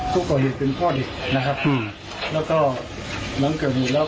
พ่อเด็กพ่อเด็กนะครับแล้วก็หลังเกิดหมดแล้ว